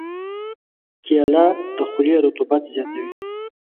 کېله د خولې رطوبت زیاتوي.